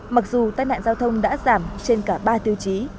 mặc dù tai nạn giao thông đã giảm trên cả ba tiêu chí